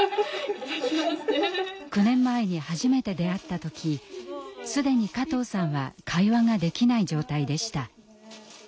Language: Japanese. ９年前に初めて出会った時既に加藤さんは会話ができない状態でした。